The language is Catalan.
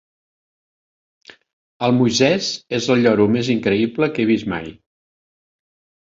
El Moisès és el lloro més increïble que he vist mai.